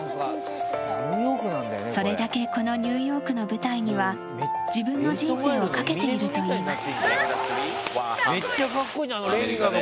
それだけこのニューヨークの舞台には自分の人生をかけているといいます。